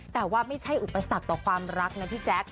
แต่ว่าไม่ใช่อุปสรรคต่อความรักนะพี่แจ๊ค